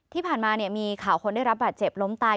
ที่ผ่านมามีข่าวคนได้รับบาดเจ็บล้มตาย